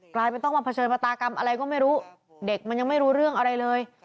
กลายเป็นต้องมาเผชิญประตากรรมอะไรก็ไม่รู้เด็กมันยังไม่รู้เรื่องอะไรเลย